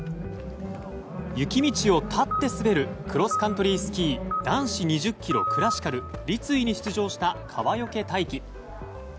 雪道を立って滑るクロスカントリースキー男子２０ｋｍクラシカル立位に出場した川除大輝。